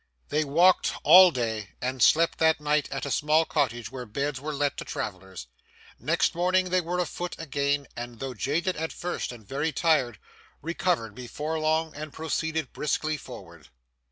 They walked all day, and slept that night at a small cottage where beds were let to travellers. Next morning they were afoot again, and though jaded at first, and very tired, recovered before long and proceeded briskly forward.